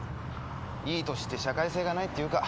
いい歳して社会性がないって言うか。